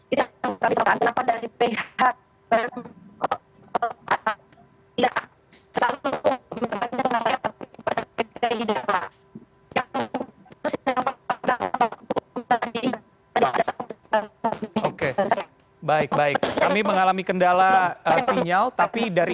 ibu kusmiati boleh kami mengalami kendala siklopati